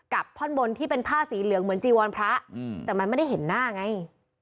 ท่อนบนที่เป็นผ้าสีเหลืองเหมือนจีวรพระแต่มันไม่ได้เห็นหน้าไง